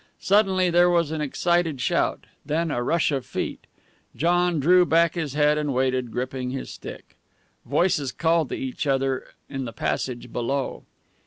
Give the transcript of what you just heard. Suddenly there was an excited shout, then a rush of feet. John drew back his head, and waited, gripping his stick. Voices called to each other in the passage below.